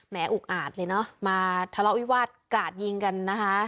อุกอาจเลยเนอะมาทะเลาะวิวาสกราดยิงกันนะคะ